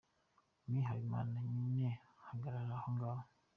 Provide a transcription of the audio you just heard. Me Habimana: “Nyine hagarara aho ngaho”